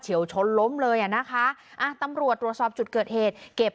วชนล้มเลยอ่ะนะคะอ่ะตำรวจตรวจสอบจุดเกิดเหตุเก็บ